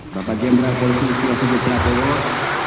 bapak jenderal polisi kepala sekolah perwak